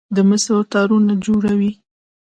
د مسو تارونه جوړوي.